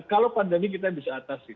kalau pandemi kita bisa atasi